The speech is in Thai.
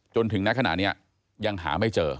จนถึงณขณะนี้ยังหาไม่เจอ